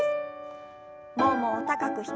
ももを高く引き上げて。